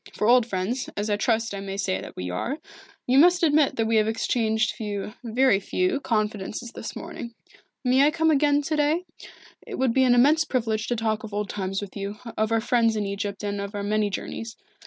For old friends, as I trust I may say that we are, you must admit that we have exchanged few very few confidences this morning. May I come again to day? It would be an immense privilege to talk of old times with you, of our friends in Egypt and of our many journeys.